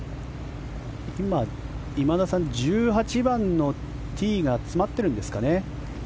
今田さん、１８番のティーが詰まっているんですかね。